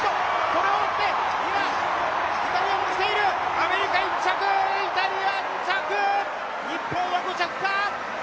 アメリカ１着、イタリア２着、日本は５着か。